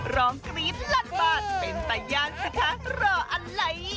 ร้องกรี๊บหลัดบาดเป็นตาย่านสุขะเหรออะไร